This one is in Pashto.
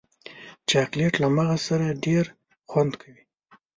چاکلېټ له مغز سره ډېر خوند کوي.